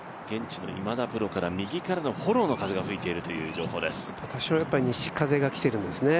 現地の今田プロから、右からのフォローが吹いているという情報です。